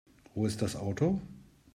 Wo ist das Auto?